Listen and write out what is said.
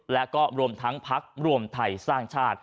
และก็รวมทั้งพักรวมไทยสร้างชาติ